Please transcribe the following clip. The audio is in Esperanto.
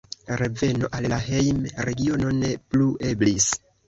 Reveno al la hejm-regiono ne plu eblis.